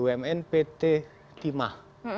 bumn pt timah